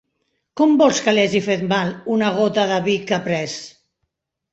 Com vols que li hagi fet mal, una gota de vi que ha pres?